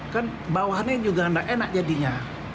kan bawahnya juga enak jadinya